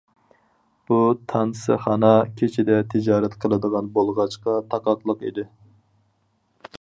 بۇ تانسىخانا كېچىدە تىجارەت قىلىدىغان بولغاچقا، تاقاقلىق ئىدى.